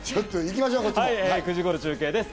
９時頃、中継です。